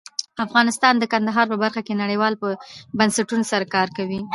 افغانستان د کندهار په برخه کې نړیوالو بنسټونو سره کار کوي.